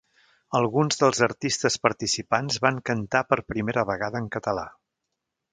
Alguns dels artistes participants van cantar per primera vegada en català.